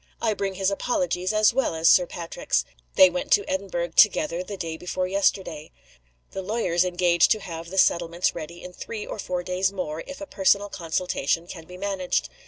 "I bring his apologies, as well as Sir Patrick's. They went to Edinburgh together the day before yesterday. The lawyers engage to have the settlements ready in three or four days more, if a personal consultation can be managed.